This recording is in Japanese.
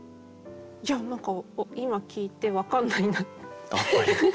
いや何か今聞いてわかんないなって。